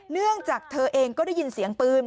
เนื่องจากเธอเองก็ได้ยินเสียงปืน